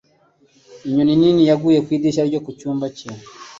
Inyoni nini yaguye kw’idirishya ryo ku cyumba cyacu